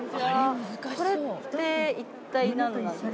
これって一体何なんですか？